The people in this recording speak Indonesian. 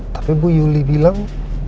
tapi bu yuli bilang